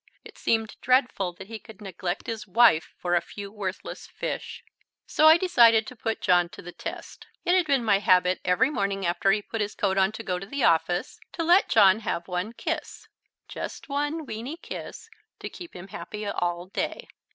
It seemed dreadful that he could neglect his wife for a few worthless fish. So I decided to put John to the test. It had been my habit every morning after he put his coat on to go to the office to let John have one kiss, just one weeny kiss, to keep him happy all day.